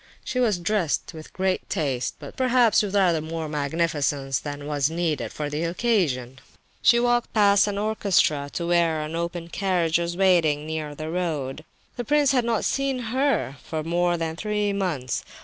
She was dressed with great taste, but with rather more magnificence than was needed for the occasion, perhaps. She walked past the orchestra, to where an open carriage was waiting, near the road. The prince had not seen her for more than three months.